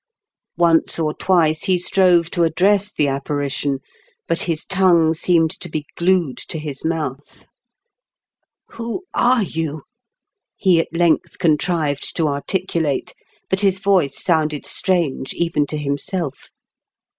Once or twice he strove to address the apparition, but his tongue seemed to be glued to his mouth. " Who are you ?" he at length contrived to articulate, but his voice sounded strange even to himself.